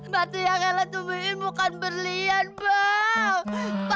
batu yang ela tumbuhin bukan berlian pak